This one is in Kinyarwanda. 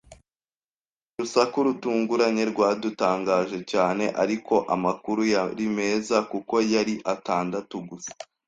Uru rusaku rutunguranye rwadutangaje cyane; ariko amakuru yari meza, kuko yari atandatu gusa.